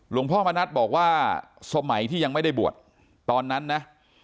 พ่อมณัฐบอกว่าสมัยที่ยังไม่ได้บวชตอนนั้นนะ